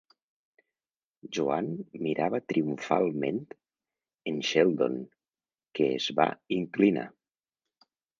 Joan mirava triomfalment en Sheldon, que es va inclinar.